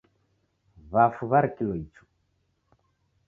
W'afu w'arikilo icho